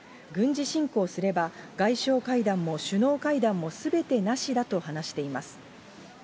軍事侵攻すれば外相会談も首脳会談もすべてなしだと話しています。